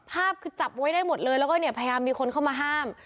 ภาพคือจับไว้ได้หมดเลยแล้วก็เนี่ยพยายามมีคนเข้ามาห้าม